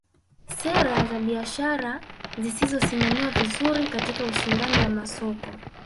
Sera za biashara zisizosimamiwa vizuri katika ushindani wa masoko